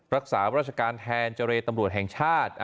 รักษาราชการแทนเจรตำรวจแห่งชาติ